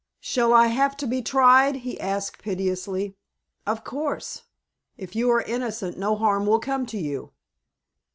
"Shall I have to be tried?" he asked, piteously. "Of course. If you are innocent, no harm will come to you."